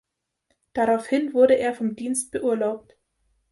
Daraufhin wurde er vom Dienst beurlaubt.